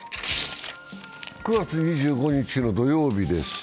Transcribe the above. ９月２５日の土曜日です。